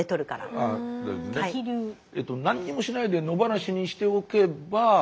何にもしないで野放しにしておけば。